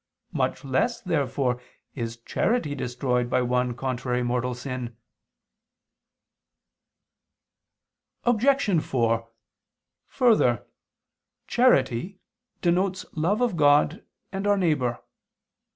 Much less, therefore, is charity destroyed by one contrary mortal sin. Obj. 4: Further, charity denotes love of God and our neighbor.